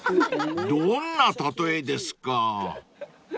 ［どんな例えですか］